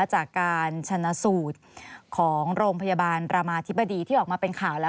จากการชนะสูตรของโรงพยาบาลรามาธิบดีที่ออกมาเป็นข่าวแล้ว